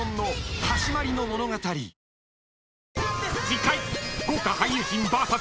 ［次回］